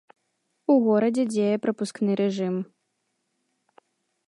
У горадзе дзее прапускны рэжым.